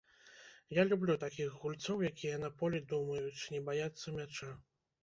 Я люблю такіх гульцоў, якія на полі думаюць, не баяцца мяча.